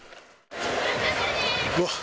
うわっ